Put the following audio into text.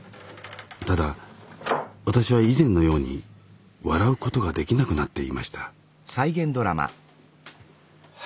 ただ私は以前のように笑うことができなくなっていました。